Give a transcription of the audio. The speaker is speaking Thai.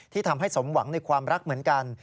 ทำให้สมหวังในความรักเหมือนกัน